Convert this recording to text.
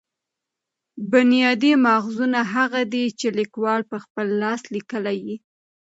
بنیادي ماخذونه هغه دي، چي لیکوال په خپل لاس لیکلي يي.